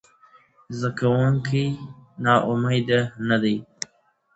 زده کوونکي ناامیده نه دي.